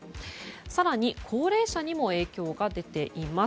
更に、高齢者にも影響が出ています。